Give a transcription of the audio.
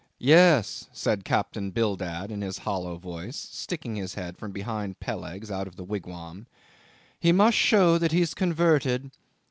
"Yes," said Captain Bildad in his hollow voice, sticking his head from behind Peleg's, out of the wigwam. "He must show that he's converted.